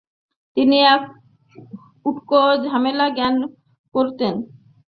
তিনি এক উটকো ঝামেলা জ্ঞান করতেন।